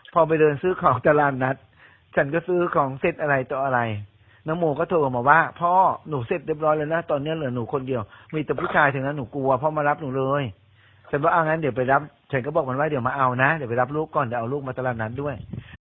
พอไปเดินซื้อของตลาดนัดฉันก็ซื้อของเสร็จอะไรต่ออะไรน้องโมก็โทรมาว่าพ่อหนูเสร็จเรียบร้อยแล้วนะตอนนี้เหลือหนูคนเดียวมีแต่ผู้ชายถึงแล้วหนูกลัวพ่อมารับหนูเลยฉันว่าเอางั้นเดี๋ยวไปรับฉันก็บอกมันว่าเดี๋ยวมาเอานะเดี๋ยวไปรับลูกก่อนเดี๋ยวเอาลูกมาตลาดนัดด้วย